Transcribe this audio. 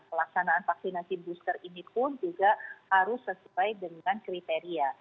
pelaksanaan vaksinasi booster ini pun juga harus sesuai dengan kriteria